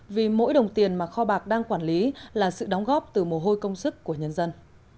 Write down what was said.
vì mỗi đồng tiền mà kho bạc đang quản lý là sự đóng góp từ mồ hôi công sức của nhân dân